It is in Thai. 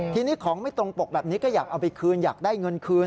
ทีนี้ของไม่ตรงปกแบบนี้ก็อยากเอาไปคืนอยากได้เงินคืน